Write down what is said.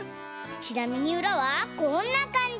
ちなみにうらはこんなかんじ！